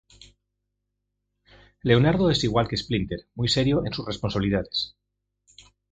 Leonardo es al igual que Splinter, muy serio en sus responsabilidades.